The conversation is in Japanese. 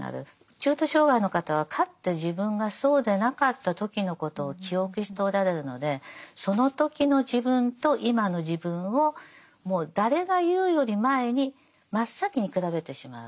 中途障がいの方はかって自分がそうでなかった時のことを記憶しておられるのでその時の自分と今の自分をもう誰が言うより前に真っ先に比べてしまう。